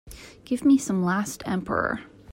give me some Last Emperor